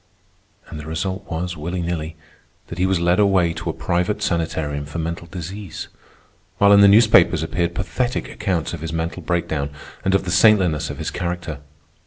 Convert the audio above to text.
And the result was, willy nilly, that he was led away to a private sanitarium for mental disease, while in the newspapers appeared pathetic accounts of his mental breakdown and of the saintliness of his character.